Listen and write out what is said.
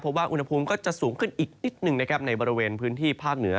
เพราะว่าอุณหภูมิก็จะสูงขึ้นอีกนิดหนึ่งนะครับในบริเวณพื้นที่ภาคเหนือ